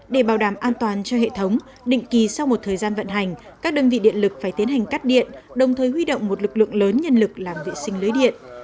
để bảo đảm an toàn cho hệ thống định kỳ sau một thời gian vận hành các đơn vị điện lực phải tiến hành cắt điện đồng thời huy động một lực lượng lớn nhân lực làm vệ sinh lưới điện